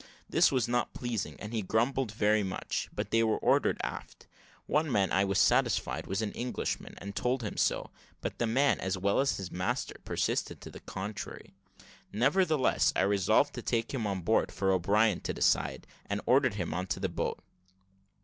This was not pleasing, and he grumbled very much; but they were ordered aft. One man I was satisfied was an Englishman, and told him so; but the man, as well as the master, persisted to the contrary. Nevertheless I resolved to take him on board for O'Brien to decide, and ordered him into the boat.